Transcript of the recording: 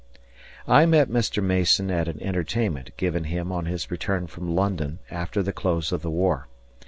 I met Mr. Mason at an entertainment given him on his return from London after the close of the war.